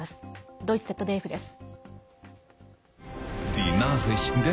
ドイツＺＤＦです。